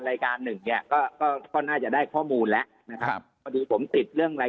รายการ๑เนี่ยก็น่าจะได้ข้อมูลแล้วนะครับผมติดเรื่องราย